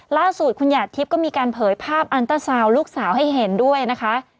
ล่าสุดคุณหยาดทิพย์ก็มีการเผยภาพอันเตอร์ซาวน์ลูกสาวให้เห็นด้วยนะคะ